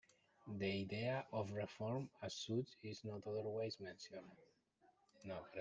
The idea of reform as such is not otherwise mentioned.